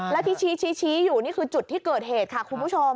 แล้วที่ชี้อยู่นี่คือจุดที่เกิดเหตุค่ะคุณผู้ชม